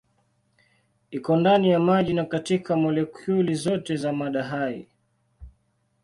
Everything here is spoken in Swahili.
Iko ndani ya maji na katika molekuli zote za mada hai.